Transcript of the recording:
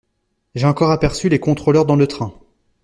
J'ai encore aperçu les contrôleurs dans le train.